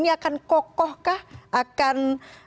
akan kokohkah akan